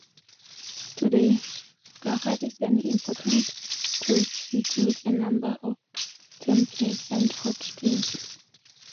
Today, Kaga is an important tourist city with a number of temples and hot-springs.